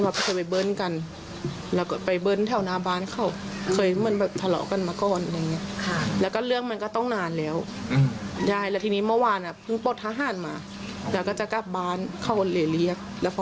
เฟซบุ๊กที่โพสต์ท้าทายกันมันเรื่องอะไรหรือครับ